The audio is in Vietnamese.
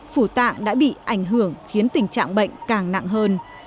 phủ tạng đã bị ảnh hưởng khiến tình trạng bệnh càng nặng hơn